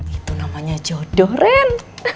itu namanya jodoh ren